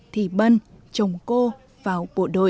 thì bân chồng cô vào